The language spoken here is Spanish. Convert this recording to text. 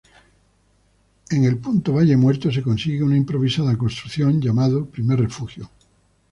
En el punto valle Muerto se consigue una improvisada construcción llamado primer refugio.